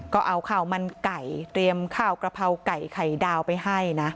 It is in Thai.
ก็เอาข้าวมันไก่เตรียมข้าวกระเพราไก่ไข่ดาวไปให้นะ